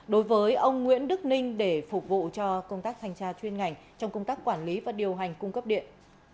đối với ông nguyễn đức ninh để phục vụ cho công tác thanh tra chuyên ngành trong công tác quản lý và điều hành cung cấp điện